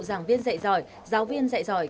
giảng viên dạy giỏi giáo viên dạy giỏi